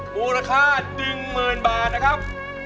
มูลค่า๑๐๐๐บาทนะครับ